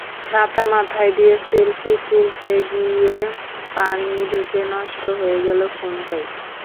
ছাতা মাথায় দিয়ে সেলফি তুলতে গিয়ে পানি ঢুকে নষ্ট হয়ে গেল ফোনটাই।